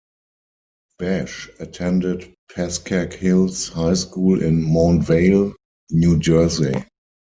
Bash attended Pascack Hills High School in Montvale, New Jersey.